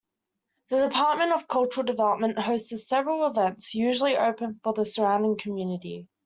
The Department for Cultural Development hosts several events, usually open for the surrounding community.